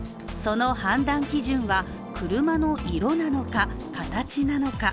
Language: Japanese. その判断基準は車の色なのか、形なのか。